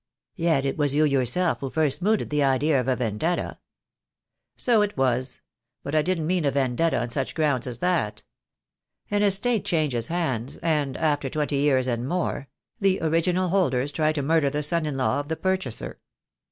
"Yet it was you yourself who first mooted the idea of a vendetta." "So it was; but I didn't mean a vendetta on such grounds as that. An estate changes hands, and — after twenty years and more — 'the original holders try to murder the son in law of the purchaser!